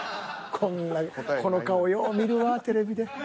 この顔よう見るわテレビで。